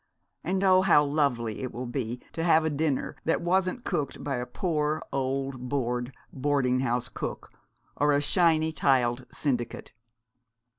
And oh, how lovely it will be to have a dinner that wasn't cooked by a poor old bored boarding house cook or a shiny tiled syndicate!"